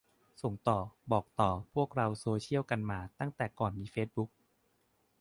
ส่งต่อ บอกต่อ พวกเราโซเชียลกันมาตั้งแต่ก่อนมีเฟซบุ๊ก